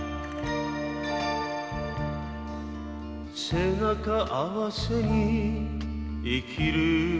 「背中合わせに生きるよりも」